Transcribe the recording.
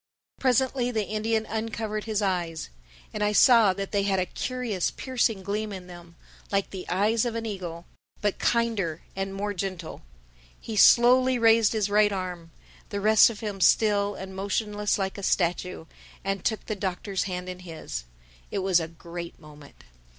Presently the Indian uncovered his eyes. And I saw that they had a curious piercing gleam in them—like the eyes of an eagle, but kinder and more gentle. He slowly raised his right arm, the rest of him still and motionless like a statue, and took the Doctor's hand in his. It was a great moment.